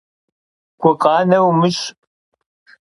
Gukhane vumış'!